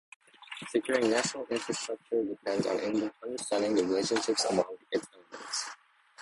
Securing national infrastructure depends on understanding the relationships among its elements.